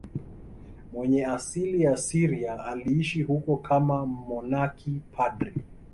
Mwenye asili ya Syria, aliishi huko kama mmonaki padri.